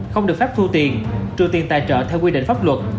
không được phép thu tiền trừ tiền tài trợ theo quy định pháp luật